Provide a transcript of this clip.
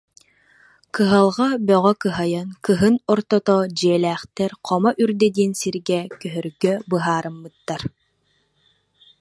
Кыһалҕа бөҕө кыһайан, кыһын ортото дьиэлээхтэр Хомо үрдэ диэн сиргэ көһөргө быһаарыммыттар